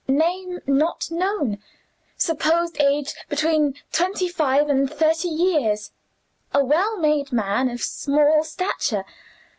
"'Name not known. Supposed age, between twenty five and thirty years. A well made man, of small stature.